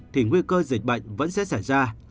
thì nguy cơ dịch bệnh vẫn sẽ xảy ra